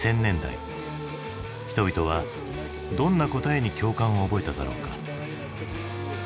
人々はどんな答えに共感を覚えただろうか？